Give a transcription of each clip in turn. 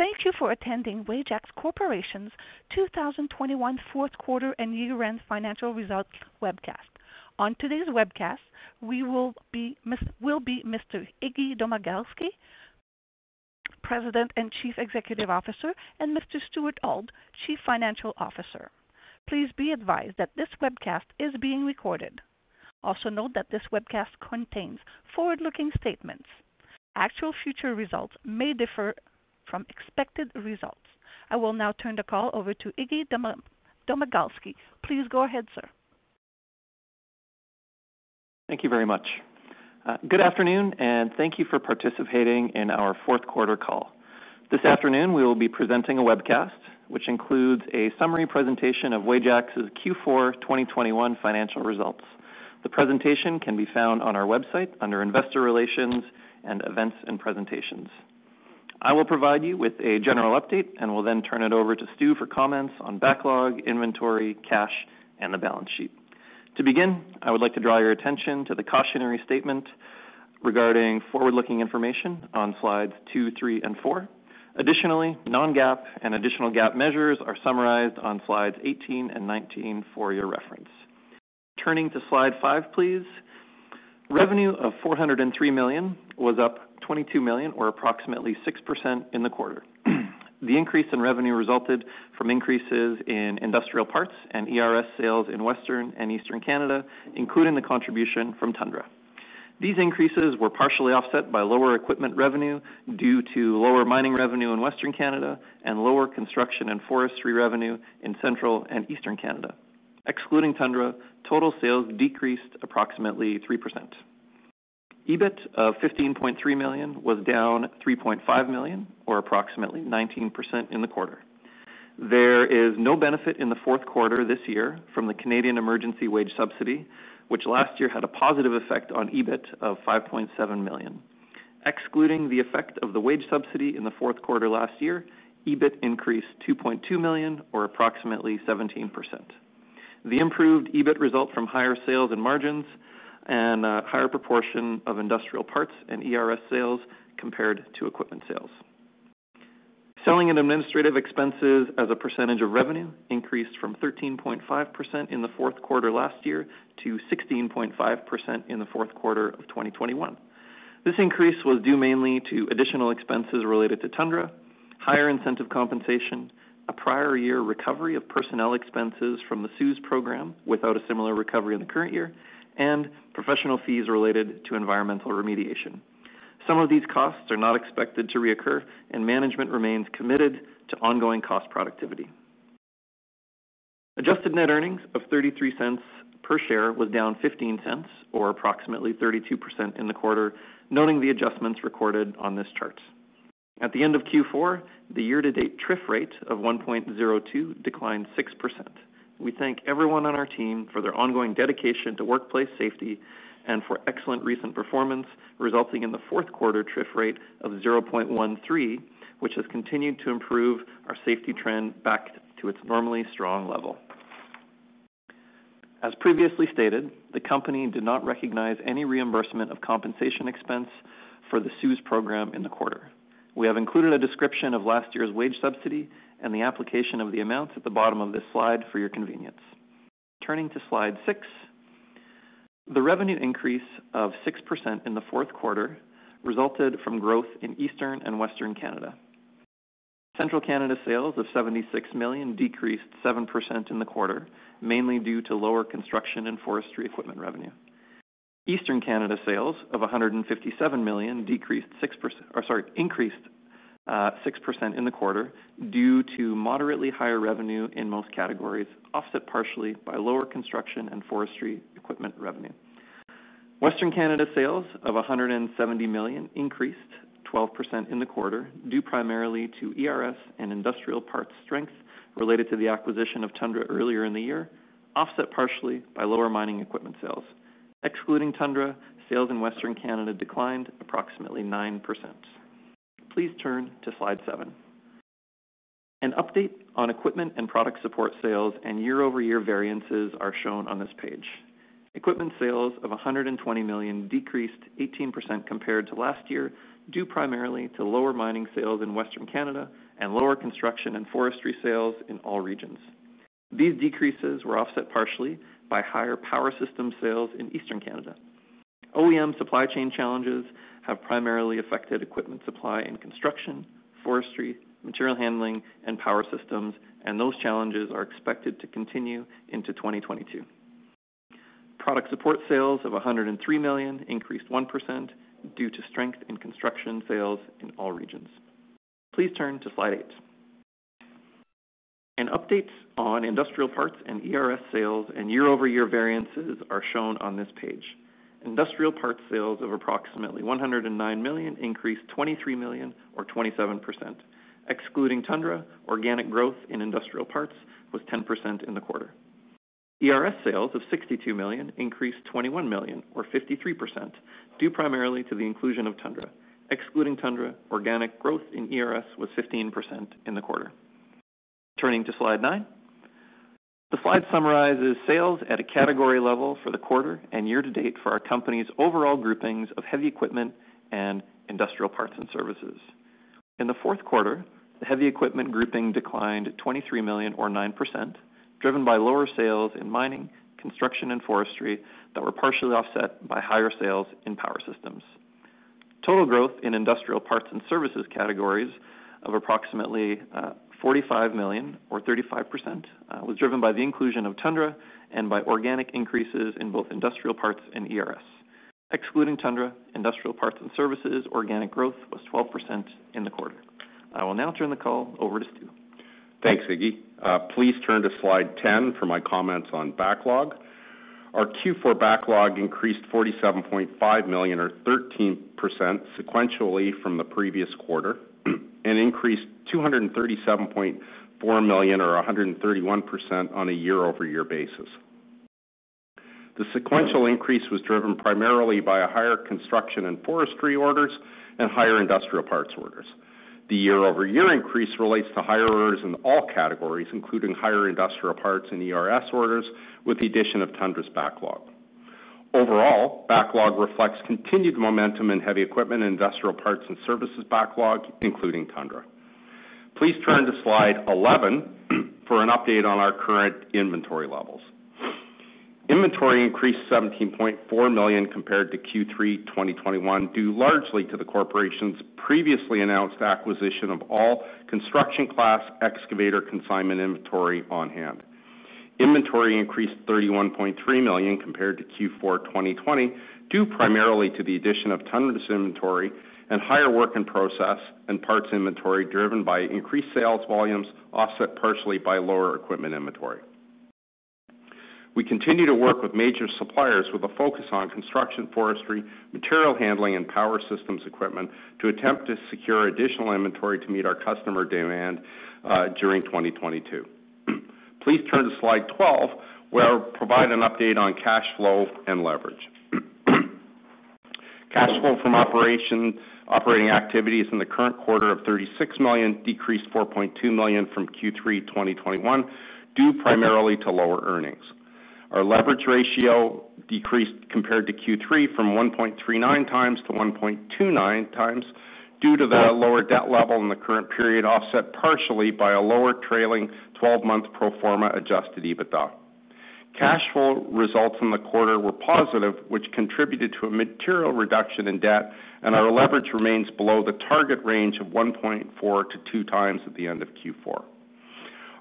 Thank you for attending Wajax Corporation's 2021 Fourth Quarter and Year-end Financial Results Webcast. On today's webcast, we will be Mr. Ignacy Domagalski, President and Chief Executive Officer, and Mr. Stuart Auld, Chief Financial Officer. Please be advised that this webcast is being recorded. Also note that this webcast contains forward-looking statements. Actual future results may differ from expected results. I will now turn the call over to Ignacy Domagalski. Please go ahead, sir. Thank you very much. Good afternoon, and thank you for participating in our fourth quarter call. This afternoon, we will be presenting a webcast which includes a summary presentation of Wajax's Q4 2021 financial results. The presentation can be found on our website under Investor Relations and Events and Presentations. I will provide you with a general update and will then turn it over to Stu for comments on backlog, inventory, cash, and the balance sheet. To begin, I would like to draw your attention to the cautionary statement regarding forward-looking information on slides two, three, and four. Additionally, non-GAAP and additional GAAP measures are summarized on slides 18 and 19 for your reference. Turning to slide five, please. Revenue of 403 million was up 22 million or approximately 6% in the quarter. The increase in revenue resulted from increases in industrial parts and ERS sales in Western and Eastern Canada, including the contribution from Tundra. These increases were partially offset by lower equipment revenue due to lower mining revenue in Western Canada and lower construction and forestry revenue in Central and Eastern Canada. Excluding Tundra, total sales decreased approximately 3%. EBIT of 15.3 million was down 3.5 million or approximately 19% in the quarter. There is no benefit in the fourth quarter this year from the Canada Emergency Wage Subsidy, which last year had a positive effect on EBIT of 5.7 million. Excluding the effect of the wage subsidy in the fourth quarter last year, EBIT increased 2.2 million or approximately 17%. The improved EBIT result from higher sales and margins and higher proportion of industrial parts and ERS sales compared to equipment sales. Selling and administrative expenses as a percentage of revenue increased from 13.5% in the fourth quarter last year to 16.5% in the fourth quarter of 2021. This increase was due mainly to additional expenses related to Tundra, higher incentive compensation, a prior year recovery of personnel expenses from the CEWS program without a similar recovery in the current year, and professional fees related to environmental remediation. Some of these costs are not expected to reoccur, and management remains committed to ongoing cost productivity. Adjusted net earnings of 0.33 per share was down 0.15 or approximately 32% in the quarter, noting the adjustments recorded on this chart. At the end of Q4, the year-to-date TRIF rate of 1.02 declined 6%. We thank everyone on our team for their ongoing dedication to workplace safety and for excellent recent performance, resulting in the fourth quarter TRIF rate of 0.13, which has continued to improve our safety trend back to its normally strong level. As previously stated, the company did not recognize any reimbursement of compensation expense for the CEWS program in the quarter. We have included a description of last year's wage subsidy and the application of the amounts at the bottom of this slide for your convenience. Turning to slide six. The revenue increase of 6% in the fourth quarter resulted from growth in Eastern and Western Canada. Central Canada sales of 76 million decreased 7% in the quarter, mainly due to lower construction and forestry equipment revenue. Eastern Canada sales of 157 million increased 6% in the quarter due to moderately higher revenue in most categories, offset partially by lower construction and forestry equipment revenue. Western Canada sales of 170 million increased 12% in the quarter, due primarily to ERS and industrial parts strength related to the acquisition of Tundra earlier in the year, offset partially by lower mining equipment sales. Excluding Tundra, sales in Western Canada declined approximately 9%. Please turn to slide seven. An update on equipment and product support sales and year-over-year variances are shown on this page. Equipment sales of 120 million decreased 18% compared to last year, due primarily to lower mining sales in Western Canada and lower construction and forestry sales in all regions. These decreases were offset partially by higher power system sales in Eastern Canada. OEM supply chain challenges have primarily affected equipment supply and construction, forestry, material handling, and power systems, and those challenges are expected to continue into 2022. Product support sales of 103 million increased 1% due to strength in construction sales in all regions. Please turn to slide eight. An update on industrial parts and ERS sales and year-over-year variances are shown on this page. Industrial parts sales of approximately 109 million increased 23 million or 27%. Excluding Tundra, organic growth in industrial parts was 10% in the quarter. ERS sales of 62 million increased 21 million or 53%, due primarily to the inclusion of Tundra. Excluding Tundra, organic growth in ERS was 15% in the quarter. Turning to slide nine. The slide summarizes sales at a category level for the quarter and year to date for our company's overall groupings of heavy equipment, and industrial parts, and services. In the fourth quarter, the heavy equipment grouping declined 23 million or 9%, driven by lower sales in mining, construction, and forestry that were partially offset by higher sales in power systems. Total growth in industrial parts and services categories of approximately 45 million or 35% was driven by the inclusion of Tundra and by organic increases in both industrial parts and ERS. Excluding Tundra, industrial parts and services organic growth was 12% in the quarter. I will now turn the call over to Stu. Thanks, Iggy. Please turn to slide 10 for my comments on backlog. Our Q4 backlog increased 47.5 million or 13% sequentially from the previous quarter and increased 237.4 million or 131% on a year-over-year basis. The sequential increase was driven primarily by higher construction and forestry orders and higher industrial parts orders. The year-over-year increase relates to higher orders in all categories, including higher industrial parts and ERS orders, with the addition of Tundra's backlog. Overall, backlog reflects continued momentum in heavy equipment and industrial parts and services backlog, including Tundra. Please turn to slide 11 for an update on our current inventory levels. Inventory increased 17.4 million compared to Q3 2021, due largely to the corporation's previously announced acquisition of all construction-class excavator consignment inventory on hand. Inventory increased 31.3 million compared to Q4 2020, due primarily to the addition of Tundra's inventory and higher work-in-process and parts inventory driven by increased sales volumes, offset partially by lower equipment inventory. We continue to work with major suppliers with a focus on construction, forestry, material handling, and power systems equipment to attempt to secure additional inventory to meet our customer demand during 2022. Please turn to slide 12, where I'll provide an update on cash flow and leverage. Cash flow from operating activities in the current quarter of 36 million decreased 4.2 million from Q3 2021, due primarily to lower earnings. Our leverage ratio decreased compared to Q3 from 1.39x-1.29x due to the lower debt level in the current period, offset partially by a lower trailing 12-month pro forma adjusted EBITDA. Cash flow results from the quarter were positive, which contributed to a material reduction in debt, and our leverage remains below the target range of 1.4-2x at the end of Q4.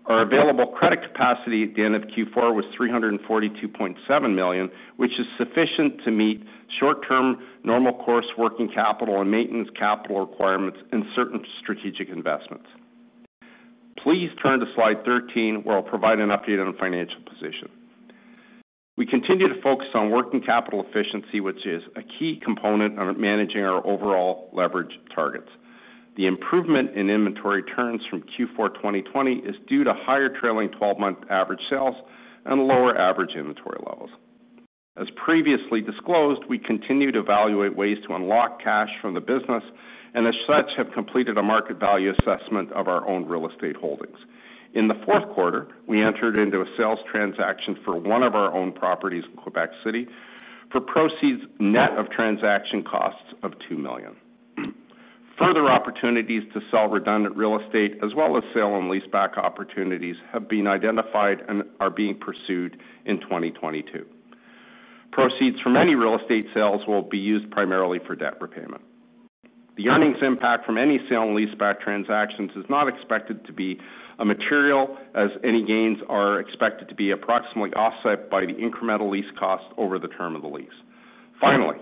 Our available credit capacity at the end of Q4 was 342.7 million, which is sufficient to meet short-term normal course working capital and maintenance capital requirements and certain strategic investments. Please turn to slide 13, where I'll provide an update on financial position. We continue to focus on working capital efficiency, which is a key component of managing our overall leverage targets. The improvement in inventory turns from Q4 2020 is due to higher trailing twelve-month average sales and lower average inventory levels. As previously disclosed, we continue to evaluate ways to unlock cash from the business and as such, have completed a market value assessment of our own real estate holdings. In the fourth quarter, we entered into a sales transaction for one of our own properties in Quebec City for proceeds net of transaction costs of 2 million. Further opportunities to sell redundant real estate as well as sale and leaseback opportunities have been identified and are being pursued in 2022. Proceeds from any real estate sales will be used primarily for debt repayment. The earnings impact from any sale and leaseback transactions is not expected to be material, as any gains are expected to be approximately offset by the incremental lease cost over the term of the lease. Finally,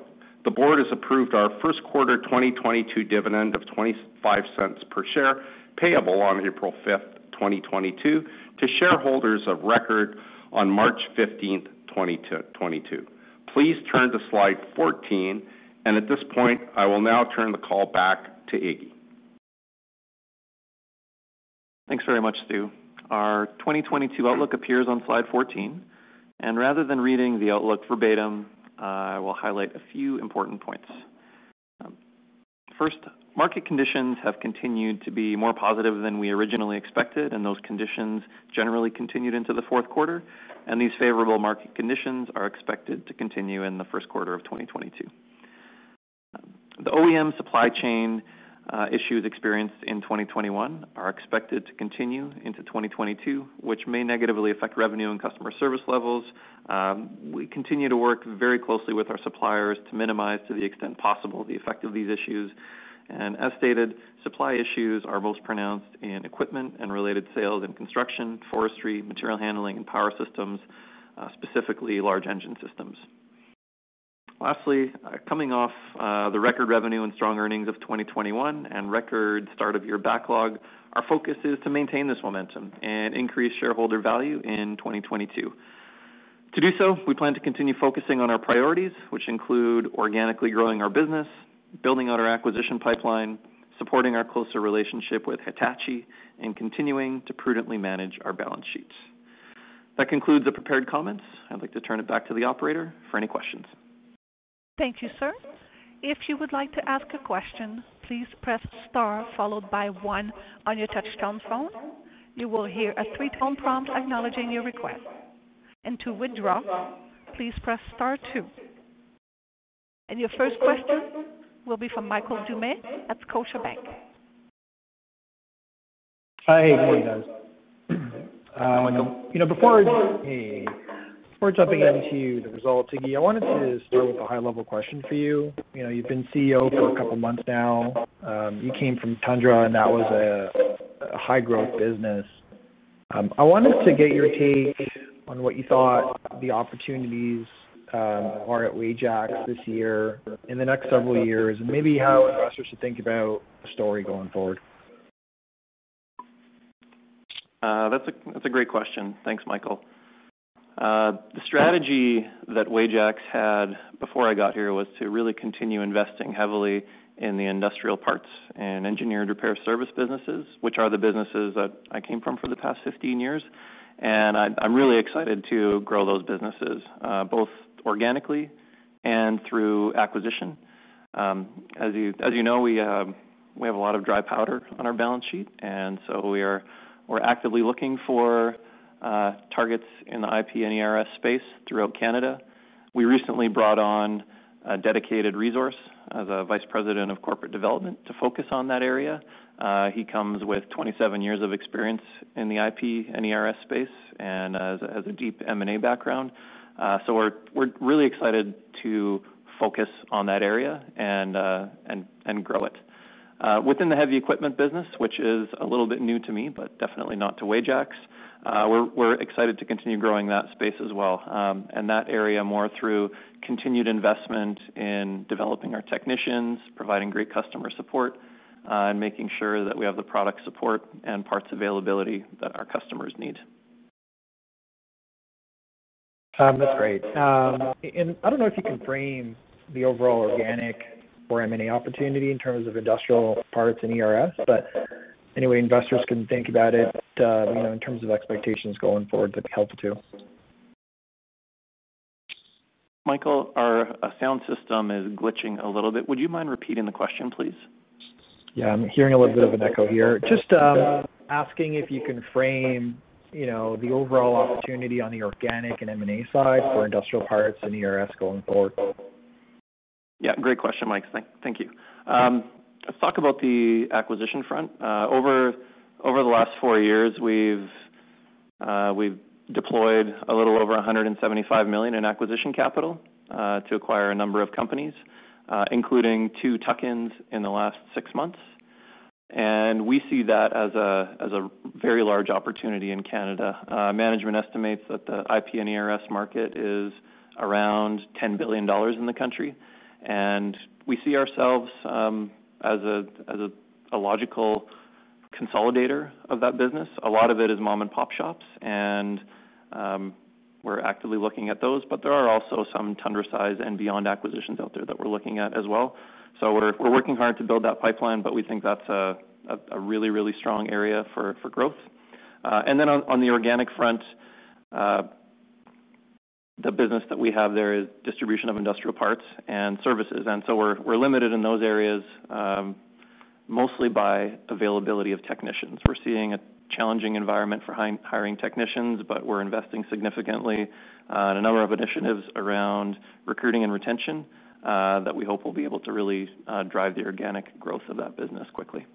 the board has approved our first quarter 2022 dividend of 0.25 per share payable on April 5, 2022, to shareholders of record on March 15, 2022. Please turn to slide 14. At this point, I will now turn the call back to Iggy. Thanks very much, Stu. Our 2022 outlook appears on slide 14, and rather than reading the outlook verbatim, I will highlight a few important points. First, market conditions have continued to be more positive than we originally expected, and those conditions generally continued into the fourth quarter, and these favorable market conditions are expected to continue in the first quarter of 2022. The OEM supply chain issues experienced in 2021 are expected to continue into 2022, which may negatively affect revenue and customer service levels. We continue to work very closely with our suppliers to minimize, to the extent possible, the effect of these issues. As stated, supply issues are most pronounced in equipment and related sales and construction, forestry, material handling and power systems, specifically large engine systems. Lastly, coming off the record revenue and strong earnings of 2021 and record start of year backlog, our focus is to maintain this momentum and increase shareholder value in 2022. To do so, we plan to continue focusing on our priorities, which include organically growing our business, building out our acquisition pipeline, supporting our closer relationship with Hitachi, and continuing to prudently manage our balance sheets. That concludes the prepared comments. I'd like to turn it back to the operator for any questions. Your first question will be from Michael Doumet at Scotiabank. Hi. Good morning, guys. Michael. Hey. Before jumping into the results, Iggy, I wanted to start with a high-level question for you. You know, you've been CEO for a couple of months now. You came from Tundra, and that was a high-growth business. I wanted to get your take on what you thought the opportunities are at Wajax this year, in the next several years, and maybe how investors should think about the story going forward. That's a great question. Thanks, Michael. The strategy that Wajax had before I got here was to really continue investing heavily in the industrial parts and engineered repair service businesses, which are the businesses that I came from for the past 15 years. I'm really excited to grow those businesses, both organically and through acquisition. As you know, we have a lot of dry powder on our balance sheet, and so we're actively looking for targets in the IP and ERS space throughout Canada. We recently brought on a dedicated resource of a vice president of corporate development to focus on that area. He comes with 27 years of experience in the IP and ERS space and has a deep M&A background. We're really excited to focus on that area and grow it. Within the heavy equipment business, which is a little bit new to me, but definitely not to Wajax, we're excited to continue growing that space as well, and that area more through continued investment in developing our technicians, providing great customer support, and making sure that we have the product support and parts availability that our customers need. That's great. I don't know if you can frame the overall organic or M&A opportunity in terms of industrial parts and ERS, but any way investors can think about it, you know, in terms of expectations going forward that would be helpful too. Michael, our sound system is glitching a little bit. Would you mind repeating the question, please? Yeah, I'm hearing a little bit of an echo here. Just asking if you can frame, you know, the overall opportunity on the organic and M&A side for industrial parts and ERS going forward? Yeah, great question, Mike. Thank you. Let's talk about the acquisition front. Over the last four years, we've deployed a little over 175 million in acquisition capital to acquire a number of companies, including two tuck-ins in the last six months. We see that as a very large opportunity in Canada. Management estimates that the IP and ERS market is around 10 billion dollars in the country, and we see ourselves as a logical consolidator of that business. A lot of it is mom and pop shops, and we're actively looking at those. But there are also some Tundra-sized and beyond acquisitions out there that we're looking at as well. We're working hard to build that pipeline, but we think that's a really strong area for growth. On the organic front, the business that we have there is distribution of industrial parts and services. We're limited in those areas mostly by availability of technicians. We're seeing a challenging environment for hiring technicians, but we're investing significantly on a number of initiatives around recruiting and retention that we hope will be able to really drive the organic growth of that business quickly.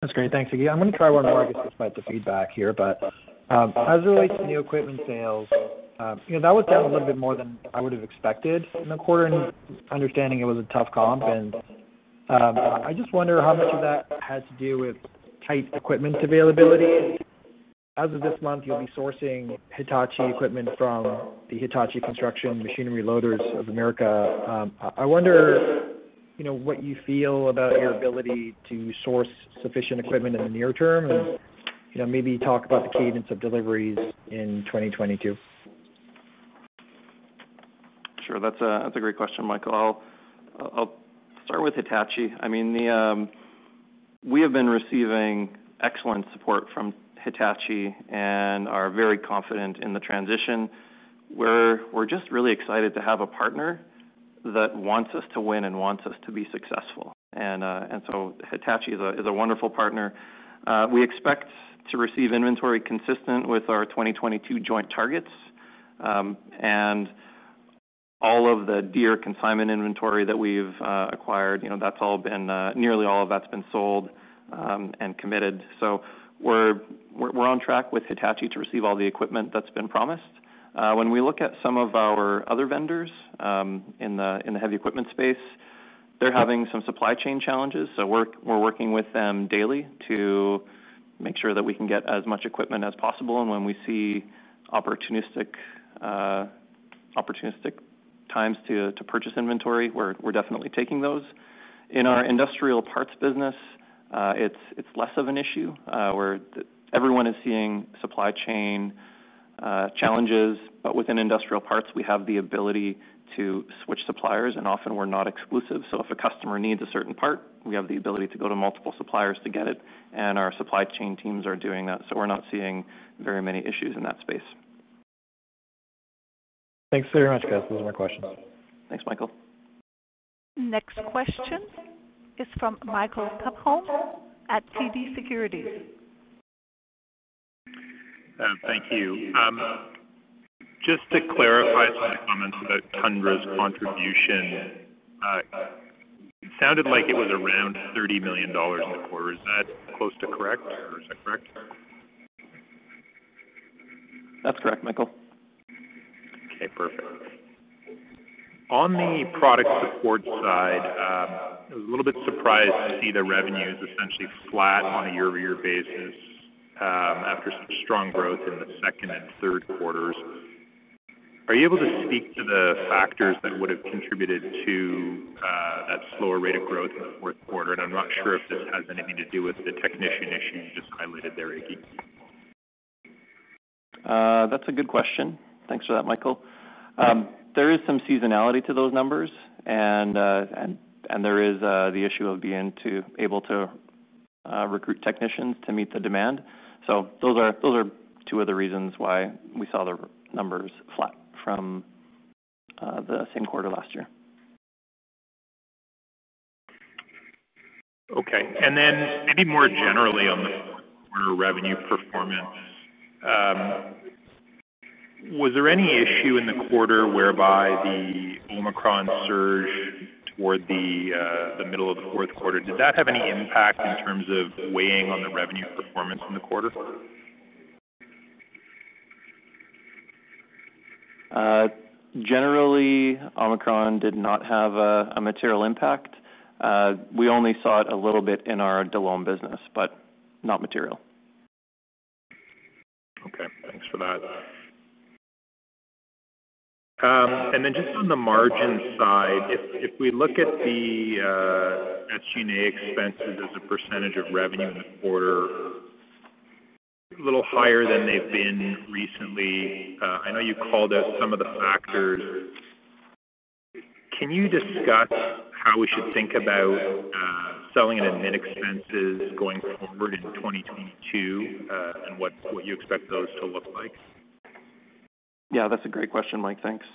That's great. Thanks, Iggy. I'm gonna try one more, I guess, despite the feedback here. As it relates to new equipment sales, you know, that was down a little bit more than I would have expected in the quarter, and understanding it was a tough comp. I just wonder how much of that has to do with tight equipment availability. As of this month, you'll be sourcing Hitachi equipment from the Hitachi Construction Machinery Americas Inc. I wonder, you know, what you feel about your ability to source sufficient equipment in the near term and, you know, maybe talk about the cadence of deliveries in 2022. Sure. That's a great question, Michael. I'll start with Hitachi. I mean, we have been receiving excellent support from Hitachi and are very confident in the transition. We're just really excited to have a partner that wants us to win and wants us to be successful. Hitachi is a wonderful partner. We expect to receive inventory consistent with our 2022 joint targets. All of the Deere consignment inventory that we've acquired, you know, that's nearly all been sold and committed. So we're on track with Hitachi to receive all the equipment that's been promised. When we look at some of our other vendors in the heavy equipment space, they're having some supply chain challenges. We're working with them daily to make sure that we can get as much equipment as possible. When we see opportunistic times to purchase inventory, we're definitely taking those. In our industrial parts business, it's less of an issue where everyone is seeing supply chain challenges, but within industrial parts, we have the ability to switch suppliers, and often we're not exclusive. If a customer needs a certain part, we have the ability to go to multiple suppliers to get it, and our supply chain teams are doing that. We're not seeing very many issues in that space. Thanks very much, guys. Those are my questions. Thanks, Michael. Next question is from Michael Tupholme at TD Securities. Thank you. Just to clarify some comments about Tundra's contribution. It sounded like it was around 30 million dollars in the quarter. Is that close to correct, or is that correct? That's correct, Michael. Okay, perfect. On the product support side, I was a little bit surprised to see the revenues essentially flat on a year-over-year basis, after some strong growth in the second and third quarters. Are you able to speak to the factors that would have contributed to, that slower rate of growth in the fourth quarter? I'm not sure if this has anything to do with the technician issue you just highlighted there, Iggy. That's a good question. Thanks for that, Michael. There is some seasonality to those numbers, and there is the issue of being able to recruit technicians to meet the demand. Those are two of the reasons why we saw the numbers flat from the same quarter last year. Okay. Maybe more generally on the fourth quarter revenue performance, was there any issue in the quarter whereby the Omicron surge toward the middle of the fourth quarter, did that have any impact in terms of weighing on the revenue performance in the quarter? Generally, Omicron did not have a material impact. We only saw it a little bit in our Delom business, but not material. Okay. Thanks for that. Just on the margin side, if we look at the SG&A expenses as a percentage of revenue in the quarter, a little higher than they've been recently. I know you called out some of the factors. Can you discuss how we should think about selling and admin expenses going forward in 2022, and what you expect those to look like? Yeah, that's a great question, Mike. Thanks.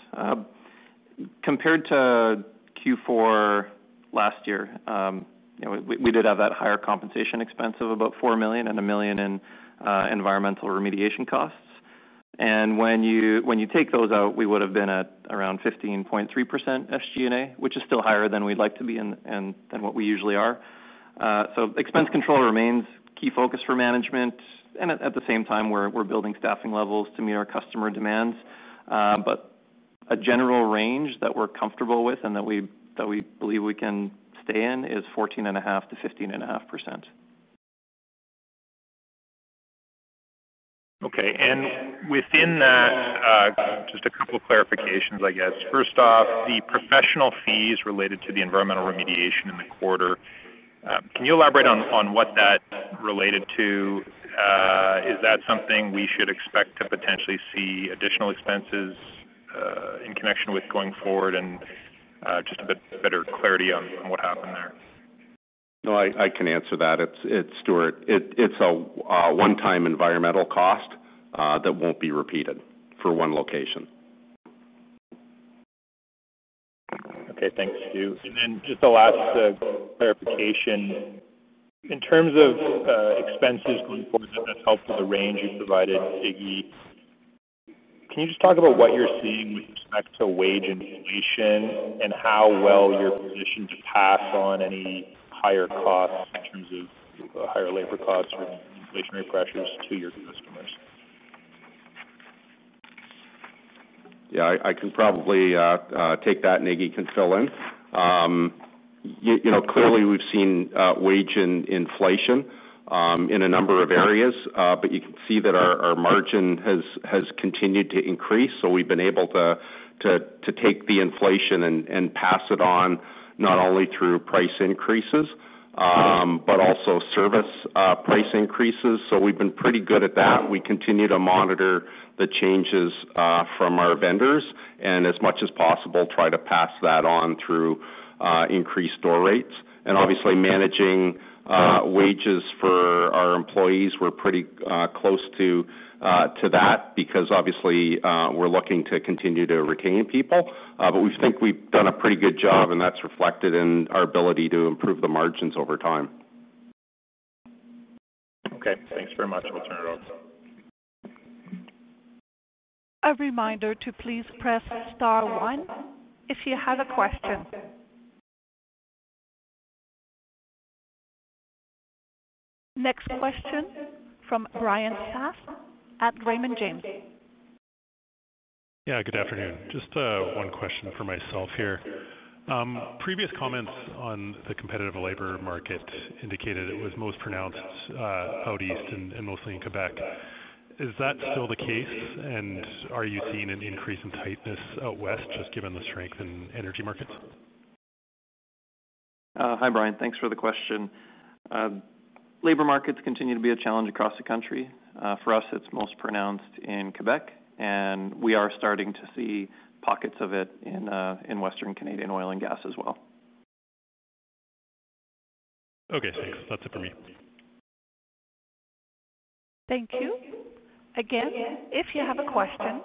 Compared to Q4 last year, you know, we did have that higher compensation expense of about 4 million and 1 million in environmental remediation costs. When you take those out, we would have been at around 15.3% SG&A, which is still higher than we'd like to be and than what we usually are. Expense control remains key focus for management. At the same time, we're building staffing levels to meet our customer demands. A general range that we're comfortable with and that we believe we can stay in is 14.5%-15.5%. Okay. Within that, just a couple of clarifications, I guess. First off, the professional fees related to the environmental remediation in the quarter, can you elaborate on what that related to? Is that something we should expect to potentially see additional expenses in connection with going forward? Just a bit better clarity on what happened there. No, I can answer that. It's Stu. It's a one-time environmental cost that won't be repeated for one location. Okay, thanks, Stu. Just the last clarification. In terms of, expenses going forward, and that helps with the range you provided, Iggy, can you just talk about what you're seeing with respect to wage inflation and how well you're positioned to pass on any higher costs in terms of higher labor costs or inflationary pressures to your customers? Yeah, I can probably take that, and Iggy can fill in. You know, clearly we've seen wage inflation in a number of areas, but you can see that our margin has continued to increase. We've been able to take the inflation and pass it on not only through price increases, but also service price increases. We've been pretty good at that. We continue to monitor the changes from our vendors and as much as possible try to pass that on through increased store rates. Obviously managing wages for our employees, we're pretty close to that because obviously we're looking to continue to retain people. We think we've done a pretty good job, and that's reflected in our ability to improve the margins over time. Okay. Thanks very much. We'll turn it over. A reminder to please press star one if you have a question. Next question from Bryan Fast at Raymond James. Yeah, good afternoon. Just one question for myself here. Previous comments on the competitive labor market indicated it was most pronounced out east and mostly in Quebec. Is that still the case? Are you seeing an increase in tightness out west, just given the strength in energy markets? Hi, Bryan. Thanks for the question. Labor markets continue to be a challenge across the country. For us, it's most pronounced in Quebec, and we are starting to see pockets of it in Western Canadian oil and gas as well. Okay, thanks. That's it for me. Thank you. Again, if you have a question,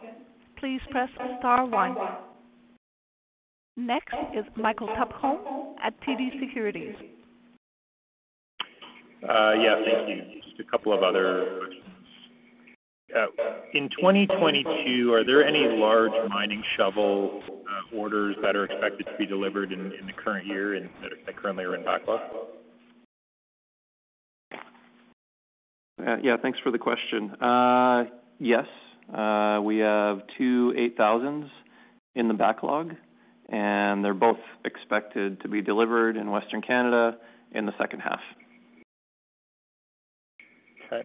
please press star one. Next is Michael Tupholme at TD Securities. Yeah, thank you. Just a couple of other questions. In 2022, are there any large mining shovel orders that are expected to be delivered in the current year and that currently are in backlog? Yeah, thanks for the question. Yes, we have two eight thousands in the backlog, and they're both expected to be delivered in Western Canada in the second half. Okay.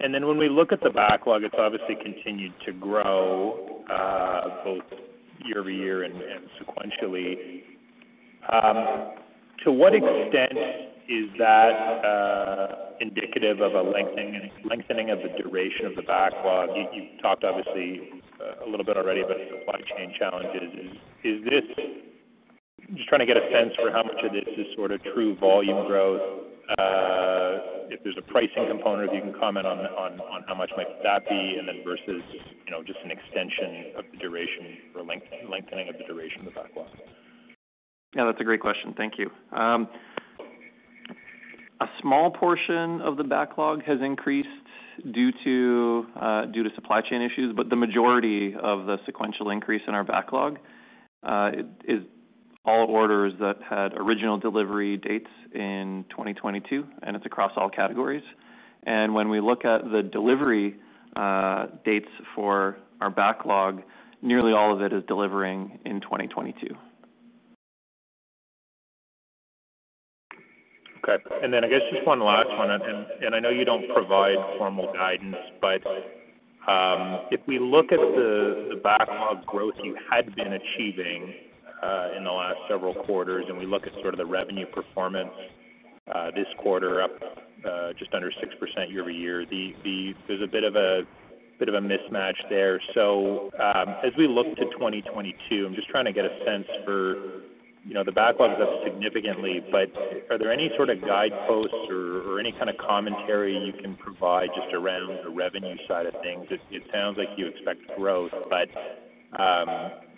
When we look at the backlog, it's obviously continued to grow both year-over-year and sequentially. To what extent is that indicative of a lengthening of the duration of the backlog? You've talked obviously a little bit already about supply chain challenges. Is this just trying to get a sense for how much of this is sort of true volume growth, if there's a pricing component, if you can comment on how much might that be, and then versus, you know, just an extension of the duration or lengthening of the duration of the backlog. Yeah, that's a great question. Thank you. A small portion of the backlog has increased due to supply chain issues, but the majority of the sequential increase in our backlog is all orders that had original delivery dates in 2022, and it's across all categories. When we look at the delivery dates for our backlog, nearly all of it is delivering in 2022. Okay. Then I guess just one last one, and I know you don't provide formal guidance, but if we look at the backlog growth you had been achieving in the last several quarters, and we look at sort of the revenue performance this quarter up just under 6% year-over-year, there's a bit of a mismatch there. So as we look to 2022, I'm just trying to get a sense for, you know, the backlog is up significantly, but are there any sort of guideposts or any kind of commentary you can provide just around the revenue side of things? It sounds like you expect growth, but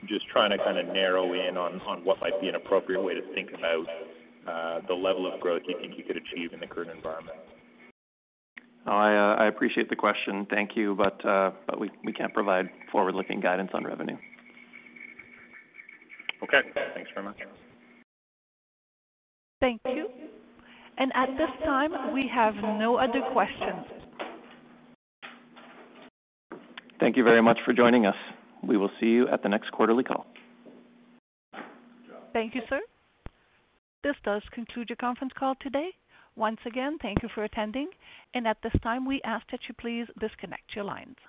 just trying to kind of narrow in on what might be an appropriate way to think about the level of growth you think you could achieve in the current environment. No, I appreciate the question. Thank you. We can't provide forward-looking guidance on revenue. Okay. Thanks very much. Thank you. At this time, we have no other questions. Thank you very much for joining us. We will see you at the next quarterly call. Thank you, sir. This does conclude your conference call today. Once again, thank you for attending, and at this time we ask that you please disconnect your lines.